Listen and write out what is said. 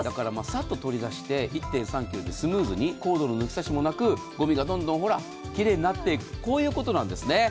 さっと取り出して１．３ｋｇでスムーズにコードの抜き差しもなくごみがどんどん奇麗になっていくこういうことなんです。